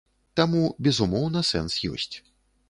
Таму, безумоўна, сэнс ёсць.